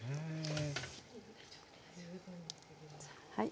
はい。